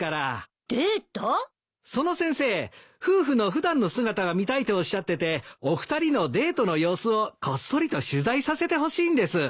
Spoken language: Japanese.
その先生夫婦の普段の姿が見たいとおっしゃっててお二人のデートの様子をこっそりと取材させてほしいんです。